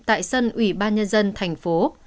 tại sân ủy ban nhân dân thành phố